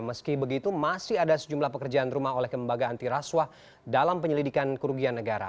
meski begitu masih ada sejumlah pekerjaan rumah oleh lembaga antiraswa dalam penyelidikan kerugian negara